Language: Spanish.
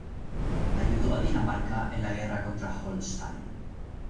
Ayudó a Dinamarca en la guerra contra Holstein.